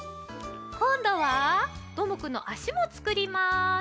こんどはどーもくんのあしもつくります。